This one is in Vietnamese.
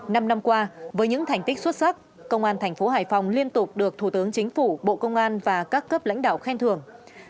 năm năm qua với những thành tích xuất sắc công an thành phố hải phòng liên tục được thủ tướng chính phủ bộ công an và các cấp lãnh đạo khen thưởng